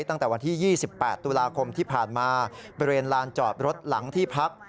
ตั้งแต่วันที่๒๘ตุลาคมที่ผ่านมาบริเวณลานจอดรถหลังที่พัก